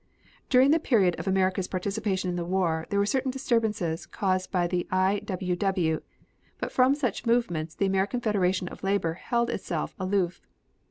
During the period of America's participation in the war there were certain disturbances caused by the I. W. W., but from such movements the American Federation of Labor held itself aloof.